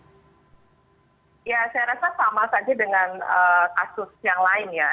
ya saya rasa sama saja dengan kasus yang lainnya